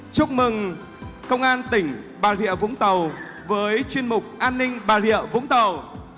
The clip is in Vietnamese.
chúc mừng công an tỉnh bà rịa vũng tàu với chuyên mục an ninh bà rịa vũng tàu